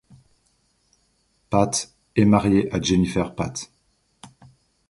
Pate est marié à Jennifer Pate.